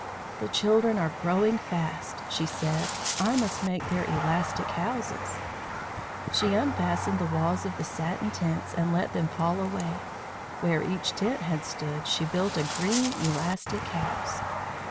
"The children are growing fast," she said. "I must make their elastic houses." She unfastened the walls of the satin tents and let them fall away. Where each tent had stood she built a green elastic house.